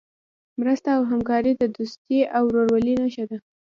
مرسته او همکاري د دوستۍ او ورورولۍ نښه ده.